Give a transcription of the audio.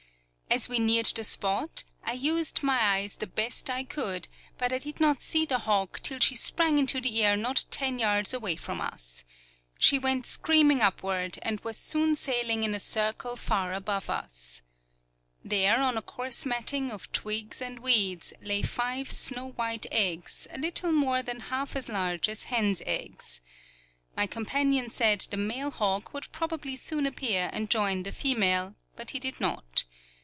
As we neared the spot, I used my eyes the best I could, but I did not see the hawk till she sprang into the air not ten yards away from us. She went screaming upward, and was soon sailing in a circle far above us. There, on a coarse matting of twigs and weeds, lay five snow white eggs, a little more than half as large as hens' eggs. My companion said the male hawk would probably soon appear and join the female, but he did not.